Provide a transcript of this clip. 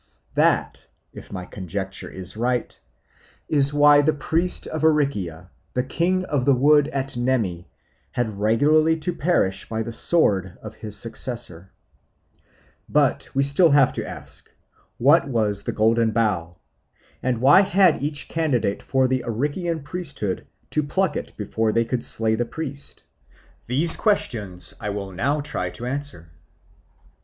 That, if my conjecture is right, was why the priest of Aricia, the King of the Wood at Nemi, had regularly to perish by the sword of his successor. But we have still to ask, What was the Golden Bough? and why had each candidate for the Arician priesthood to pluck it before he could slay the priest? These questions I will now try to answer.